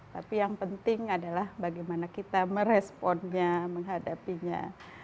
tapi yang penting adalah bagaimana kita meresponnya menghadapinya